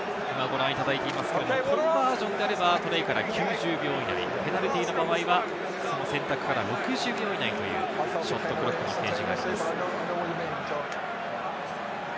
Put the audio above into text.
コンバージョンであれば、トライから９０秒以内、ペナルティーの場合は選択から６０秒以内というショットクロックの提示があります。